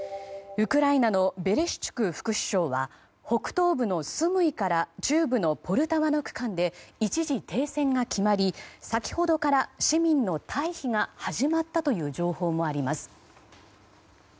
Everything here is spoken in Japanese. ウクライナのベレシュチュク副首相は北東部のスムイから中部のポルタワの区間で一時停戦が決まり先ほどから市民の退避が始まったという情報もあります。